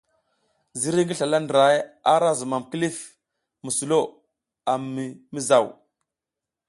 Ziriy ngi slala ndra ara zumam kilif mi sulo a mi mizaw.